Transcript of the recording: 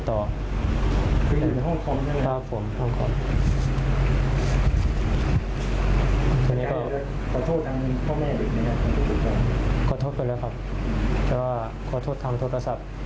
แต่ว่าก็โทษทำโทษกระสับ